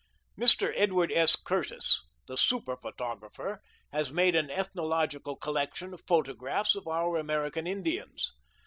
Mr. Edward S. Curtis, the super photographer, has made an Ethnological collection of photographs of our American Indians.